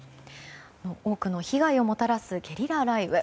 多くの被害をもたらすゲリラ雷雨。